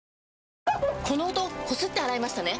この音こすって洗いましたね？